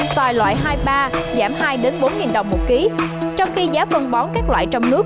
xoài loại hai mươi ba giảm hai bốn đồng một ký trong khi giá phân bón các loại trong nước